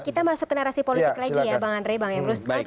kita masuk ke narasi politik lagi ya bang andre bang emrus